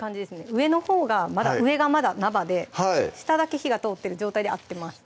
上のほうが上がまだ生で下だけ火が通ってる状態で合ってます